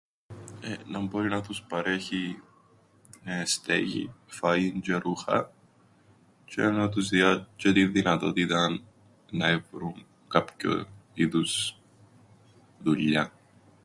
Ε, να μπόρει να τους παρέχει εεε στέγην, φαΐν τζ̆αι ρούχα, τζ̆αι να τους διά τζ̆αι την δυνατότηταν να έβρουν κάποιου είδους δουλειάν.